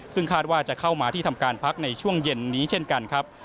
ซึ่งคาดว่าจะเข้ามาที่ทำการพักในช่วงเย็นนี้เช่นกันครับ